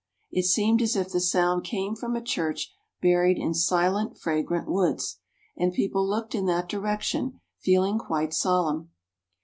It seemed as if the sound came from a church buried in silent, fragrant woods, and people looked in that direction, feeling quite solemn.